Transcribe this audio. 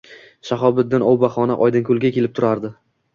Shahobiddin ov bahona, Oydinkoʼlga kelib turardi.